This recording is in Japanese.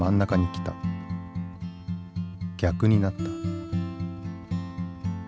逆になった。